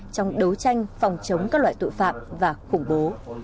trong đấu tranh phòng chống các loại tội phạm và khủng bố